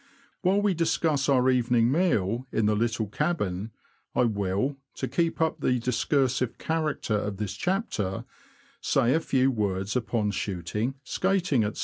While we discuss our evening meal in the Httle cabin, I will, to keep up the discursive character of this chapter, say a few words upon shooting, skating, &c.